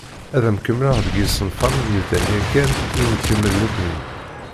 Ad d-kemmleɣ deg yisenfaren yebdan yakan i nekemmel nekkni.